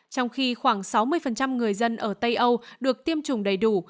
trong khi khoảng sáu mươi người dân ở tây âu được tiêm chủng đầy đủ